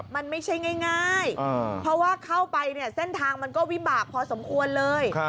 มันไม่ใช่ง่ายเพราะว่าเข้าไปเนี่ยเส้นทางมันก็วิบากพอสมควรเลย